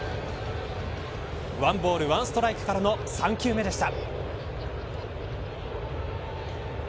１ボール１ストライクからの３球目でした。